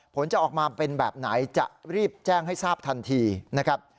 ผลจะออกมาเป็นแบบไหนจะรีบแจ้งให้ทราบทันทีนะครับ